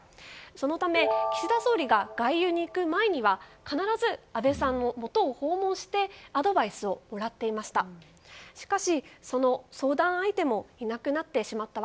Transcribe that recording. そのため、岸田総理が外遊に行く前には必ず安倍さんのもとを訪問してアドバイスをもらっていました。